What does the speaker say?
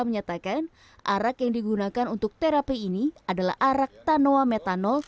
menyatakan arak yang digunakan untuk terapi ini adalah arak tanoa metanolf